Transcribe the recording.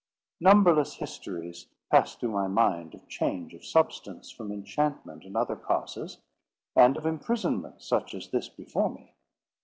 Numberless histories passed through my mind of change of substance from enchantment and other causes, and of imprisonments such as this before me.